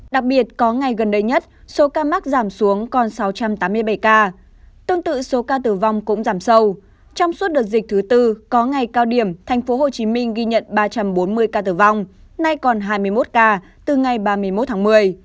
đặc biệt có ngày gần đây nhất số ca mắc giảm xuống còn sáu trăm tám mươi bảy ca tương tự số ca tử vong cũng giảm sâu trong suốt đợt dịch thứ tư có ngày cao điểm tp hcm ghi nhận ba trăm bốn mươi ca tử vong nay còn hai mươi một ca từ ngày ba mươi một tháng một mươi